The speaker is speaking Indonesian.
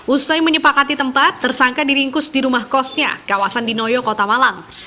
usai menyepakati tempat tersangka diringkus di rumah kosnya kawasan dinoyo kota malang